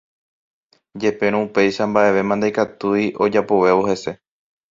Jepérõ upéicha mba'evéma ndaikatúi ojapovévo hese.